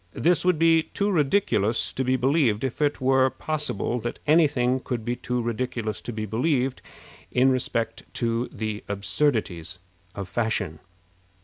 This would be too ridiculous to be believed if it were possible that any thing could be too ridiculous to be believed in respect to the absurdities of fashion.